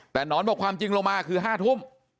แต่หนอนบอกความจริงลงมาคือ๕ทุ่ม